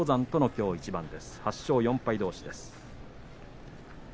お互いに８勝４敗どうしです。